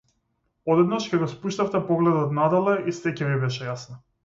Одеднаш ќе го спуштевте погледот надолу и сѐ ќе ви беше јасно.